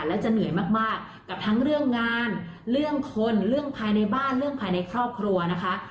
และจะเหนื่อยมากกับทั้งเรื่องงานเรื่องคนเรื่องภายในบ้านเรื่องภายในครอบครัวนะคะ